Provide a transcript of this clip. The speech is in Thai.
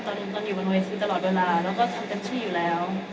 ตอนอยู่บนเวทีตลอดเวลาแล้วก็ทำเต็มที่อยู่แล้ว